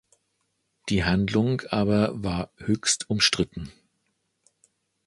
Die Handlung aber war höchst umstritten.